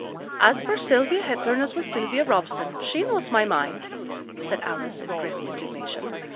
'As for Sylvia Hepburn as was Sylvia Robson, she knows my mind,' said Alice, in grim indignation.